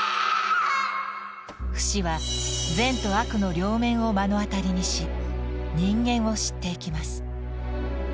フシは善と悪の両面を目の当たりにし人間を知っていきます。